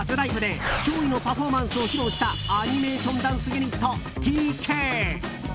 で驚異のパフォーマンスを披露したアニメーションダンスユニットＴＫ。